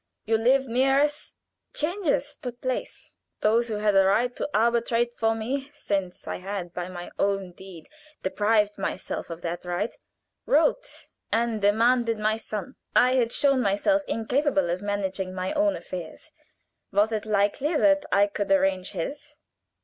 You lived near us. Changes took place. Those who had a right to arbitrate for me, since I had by my own deed deprived myself of that right, wrote and demanded my son. I had shown myself incapable of managing my own affairs was it likely that I could arrange his?